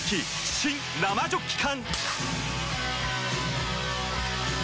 新・生ジョッキ缶！